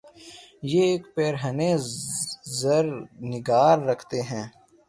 یہ ایک پیر ہنِ زر نگار رکھتے ہیں